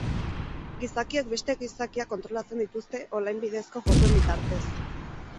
Gizakiek beste gizakiak kontrolatzen dituzte online bidezko jokoen bitartez.